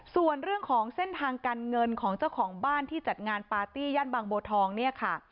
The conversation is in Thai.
ส่วนเรื่องของเส้นทางการเงินของเจ้าของบ้านที่จัดงานปาร์ตี้ย่านบางบัวทองเนี่ยค่ะ